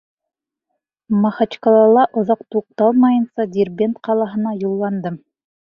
Махачкалала оҙаҡ туҡталмайынса, Дербент ҡалаһына юлландым.